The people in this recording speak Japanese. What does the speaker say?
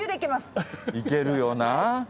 いけるよなぁ。